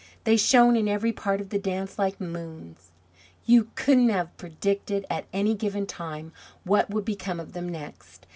They shone in every part of the dance like moons. You couldn't have predicted at any given time what would become of them next.